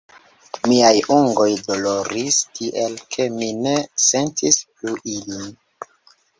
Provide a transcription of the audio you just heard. Miaj ungoj doloris tiel, ke mi ne sentis plu ilin.